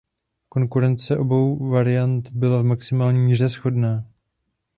Konstrukce obou variant byla v maximální míře shodná.